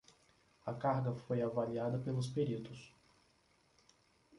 A carga foi avaliada pelos peritos